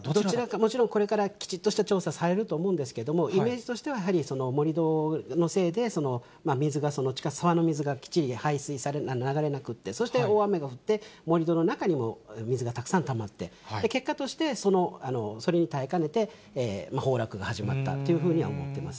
もちろんこれからきちっとした調査されると思うんですけれども、イメージとしてはやはりその盛り土のせいで、水が、沢の水が土へ流れなくて、そして大雨が降って、盛り土の中にも水がたくさんたまって、結果として、それに耐えかねて、崩落が始まったというふうには思ってます。